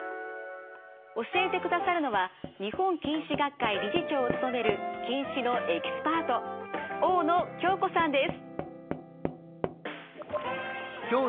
教えてくださるのは日本近視学会理事長を務める近視のエキスパート大野京子さんです。